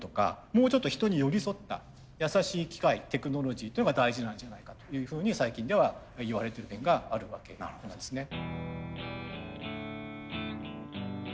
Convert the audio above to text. もうちょっと人に寄り添った優しい機械テクノロジーというのが大事なんじゃないかというふうに最近ではいわれてる面があるわけなんですね。